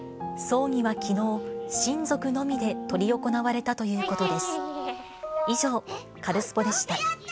葬儀はきのう、親族のみで執り行われたということです。